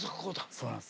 そうなんです。